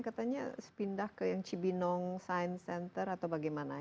katanya pindah ke yang cibinong science center atau bagaimana